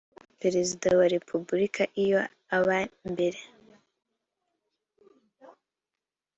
perezida wa repubulika iyo aba mbere